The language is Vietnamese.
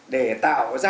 để tạo ra